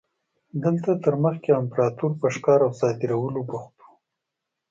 دلته تر مخکې امپراتور په ښکار او صادرولو بوخت و.